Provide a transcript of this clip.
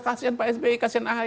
kasian pak sby kasian ahy